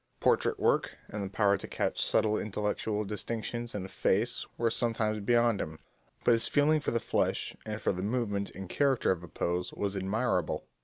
Portrait work and the power to catch subtle intellectual distinctions in a face were sometimes beyond him, but his feeling for the flesh, and for the movement and character of a pose, was admirable.